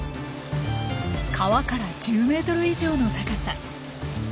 川から１０ｍ以上の高さ。